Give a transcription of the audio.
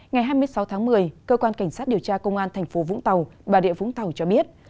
ngày hai mươi sáu tháng một mươi cơ quan cảnh sát điều tra công an thành phố vũng tàu bà địa vũng tàu cho biết